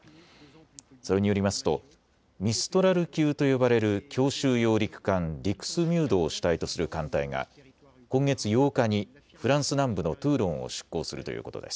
それによりますとミストラル級と呼ばれる強襲揚陸艦ディクスミュードを主体とする艦隊が今月８日にフランス南部のトゥーロンを出港するということです。